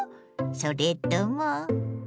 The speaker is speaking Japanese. それとも。